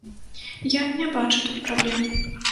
Я не бачу тут праблем.